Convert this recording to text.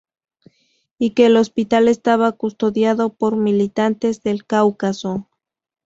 Y que el hospital estaba custodiado por militantes del Cáucaso.